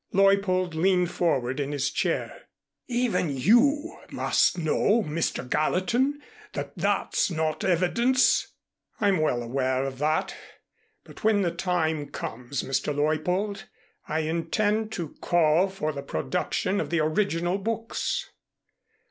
Leuppold leaned forward in his chair. "Even you must know, Mr. Gallatin, that that's not evidence." "I'm well aware of that, but when the time comes, Mr. Leuppold, I intend to call for the production of the original books."